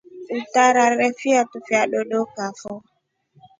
Utarare fiatu fya dookafo.